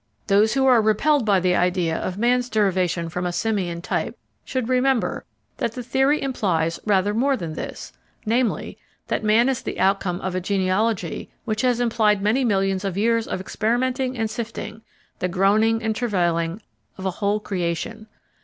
Those who are repelled by the idea of man's derivation from a simian type should remember that the theory implies rather more than this, namely, that man is the outcome of a genealogy which has implied many millions of years of experimenting and sifting the groaning and travailing of a whole creation.